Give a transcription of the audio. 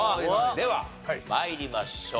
では参りましょう。